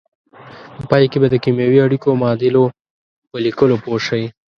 په پای کې به د کیمیاوي اړیکو او معادلو په لیکلو پوه شئ.